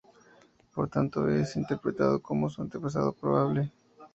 Por tanto, es interpretado como su antepasado probable.